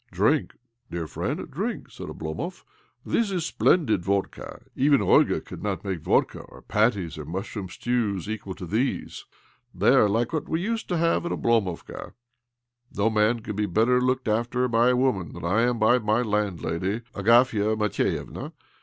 " Drink, dear friend, drink," said Oblo mov. " This is splendid vodka. Even Olga could not make vodka or patties or mush room stews equal to these. They are like what we used to have at Oblomovka. No man could be better looked after by a woman than I am by my landlady, Agafia Matvievna.